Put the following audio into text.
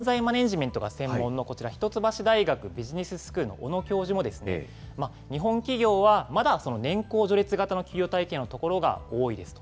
今回、人材マネージメントが専門のこちら、一橋大学ビジネススクールの小野教授も、日本企業は、まだ年功序列型の給与体系の所が多いですと。